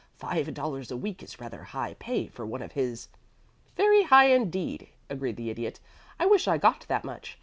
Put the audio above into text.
"Five dollars a week is rather high pay for one of his " "Very high indeed," agreed the Idiot. "I wish I got that much.